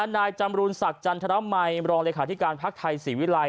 นายจำรูนศักดิ์จันทรมัยรองเลขาธิการภักดิ์ไทยศรีวิลัย